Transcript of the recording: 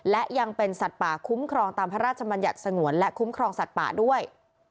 และยังเป็นสัตว์ป่าคุ้มครองตามพระราชมัญญัติสงวนและคุ้มครองสัตว์ป่าด้วย